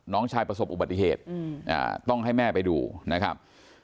น้องชายประสบอุบัติเหตุต้องให้แม่ไปดูนะครับ